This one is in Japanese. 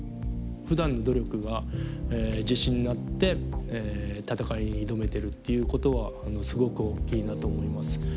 ふだんの努力が自信になって戦いに挑めてるっていうことはすごく大きいなと思います。